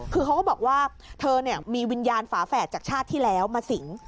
คือเขาก็บอกว่าเธอมีวิญญาณฝาแฝดจากชาติที่แล้วมาสิง